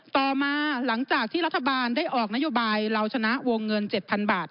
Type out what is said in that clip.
ต่อมาหลังจากที่รัฐบาลได้ออกนโยบายเราชนะวงเงิน๗๐๐บาท